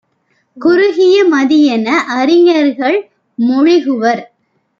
குறுகிய மதியென - அறிஞர்கள் மொழிகுவர்.